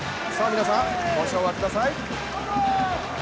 皆さんご唱和ください。